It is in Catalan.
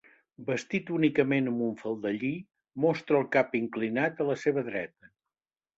Vestit únicament amb un faldellí, mostra el cap inclinat a la seva dreta.